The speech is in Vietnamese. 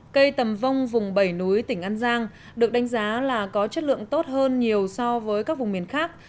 cây tầm vông vùng bảy núi tỉnh an giang được đánh giá là có chất lượng tốt hơn nhiều so với các vùng miền khác